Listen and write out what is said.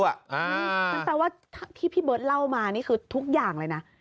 แปลว่าที่พี่เบิร์ตเล่ามานี่คือทุกอย่างเลยนะ